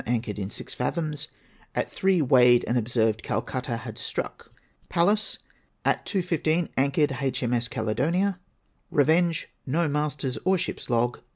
anchored in six fathoms. At 3 weighed and observed Cal cutta had stnick. Pallas. At 12*15 anchored H.M.S. Caledonia. Revenge. No Master's or ship's log.